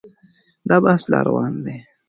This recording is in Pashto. دا بحث لا روان دی.